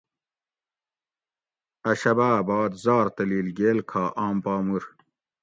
اۤ شباۤ باد زار تلیل گیل کھا آم پا مُر